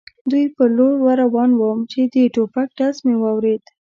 دوی پر لور ور روان ووم، چې د ټوپک ډز مې واورېد.